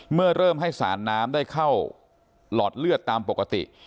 เมื่อเริ่มให้สารน้ำได้เข้าหลอดเลือดตามปกติ